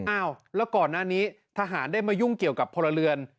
อ้าวแล้วก่อนหน้านี้ทหารได้มายุ่งเกี่ยวกับพลเรือน